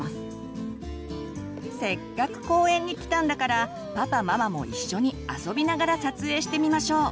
せっかく公園に来たんだからパパママも一緒に遊びながら撮影してみましょう。